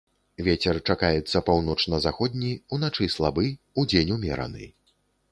Вецер чакаецца паўночна-заходні, уначы слабы, удзень умераны.